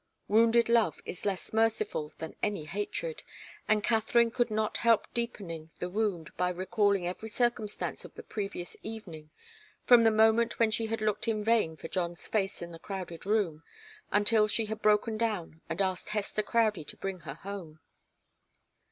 Wounded love is less merciful than any hatred, and Katharine could not help deepening the wound by recalling every circumstance of the previous evening, from the moment when she had looked in vain for John's face in the crowded room, until she had broken down and asked Hester Crowdie to bring her home.